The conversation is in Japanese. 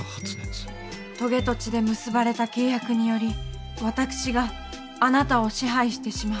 とげと血で結ばれた契約により私があなたを支配してしまう。